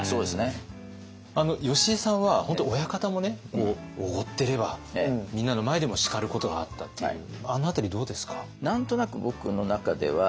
よしえさんは本当親方もおごってればみんなの前でも叱ることがあったっていうあの辺りどうですか？